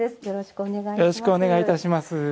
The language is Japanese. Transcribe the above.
よろしくお願いします。